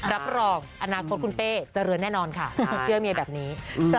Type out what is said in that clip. ก็รอบอนาคตคุณเป้จะเรือนแน่นอนค่ะเพื่อเมียแบบนี้